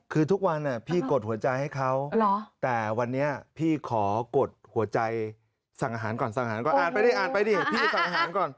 คือทุกวันพี่กดหัวใจให้เขาแต่วันนี้พี่ขอกดหัวใจสั่งอาหารก่อนสั่งอาหารก่อนอ่านไปดิอ่านไปดิพี่จะสั่งอาหารก่อน